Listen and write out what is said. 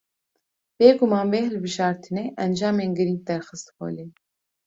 Bê guman vê hilbijartinê, encamên girîng derxist holê